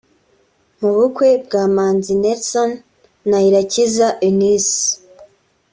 Mu bukwe bwa Manzi Nelson na Irakiza Eunice